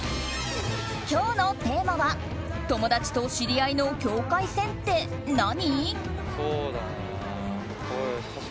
今日のテーマは友達と知り合いの境界線って何？